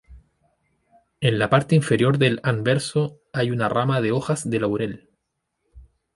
En la parte inferior del anverso hay una rama de hojas de laurel.